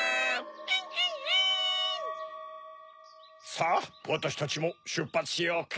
さぁわたしたちもしゅっぱつしようか。